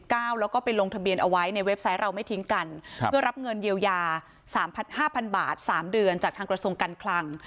แล้วก็ไปลงทะเบียนเอาไว้ในเว็บไซต์เราไม่ทิ้งกันเพื่อรับเงินเยียวยาสามพันห้าพันบาทสามเดือนจากทางกระทรวงการคลัง